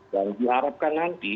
dan diharapkan nanti